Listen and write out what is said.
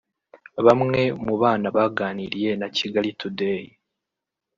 Bamwe mu bana baganiriye na Kigali Today